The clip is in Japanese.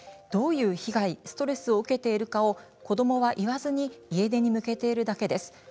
どういう被害ストレスを受けているかを子どもは言わずに家出に向けているだけです。